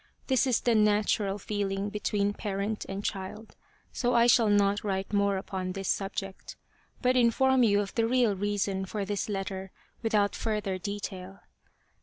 This is the natural feeling between parent and child, so I shall not write more upon this subject, but inform you of the real reason for this letter without further detail.